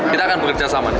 kita akan bekerja sama